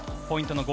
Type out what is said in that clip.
ポイント